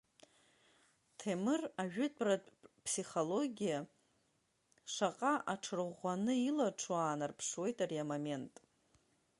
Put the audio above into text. Ҭемыр ажәытәратә ԥсихологиа шаҟа аҽырӷәӷәаны илаҽу аанарԥшуеит ари амомент.